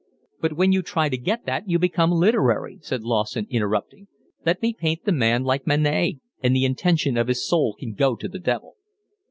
"But when you try to get that you become literary," said Lawson, interrupting. "Let me paint the man like Manet, and the intention of his soul can go to the devil."